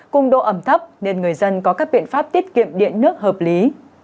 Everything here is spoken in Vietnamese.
cùng độ ẩm thấp nên người dân có các biện pháp tiết kiệm điện nước hợp lý